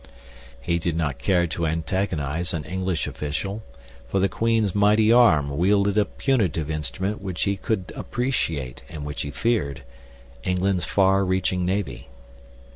He did not care to antagonize an English official, for the Queen's mighty arm wielded a punitive instrument which he could appreciate, and which he feared—England's far reaching navy.